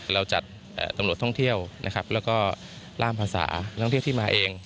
เราจัดตำรวจท่องเที่ยวนะครับแล้วก็ล่ามภาษานักท่องเที่ยวที่มาเอง